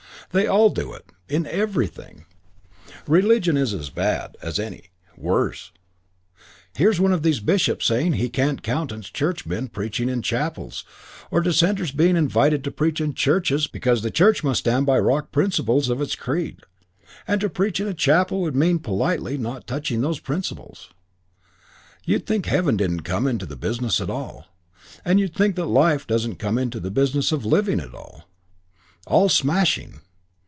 They all do it in everything. Religion's as bad as any worse. Here's one of these bishops saying he can't countenance Churchmen preaching in chapels or dissenters being invited to preach in churches because the Church must stand by the rock principles of its creed, and to preach in a chapel would mean politely not touching on those principles. You'd think heaven didn't come into the business at all. And you'd think that life doesn't come into the business of living at all. All smashing....